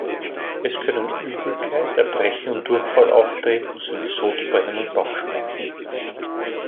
Es können Übelkeit, Erbrechen und Durchfall auftreten, sowie Sodbrennen und Bauchschmerzen.